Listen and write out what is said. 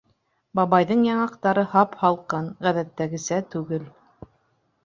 Бабайҙың яңаҡтары һап-һалҡын, ғәҙәттәгесә түгел.